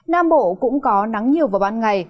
nam bộ cũng có nắng nhiều vào ban ngày